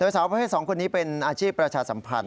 สาวประเภท๒คนนี้เป็นอาชีพประชาสัมพันธ